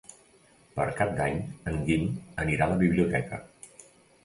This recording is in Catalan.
Per Cap d'Any en Guim anirà a la biblioteca.